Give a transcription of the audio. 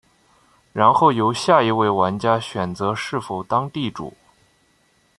然后由下一位玩家选择是否当地主。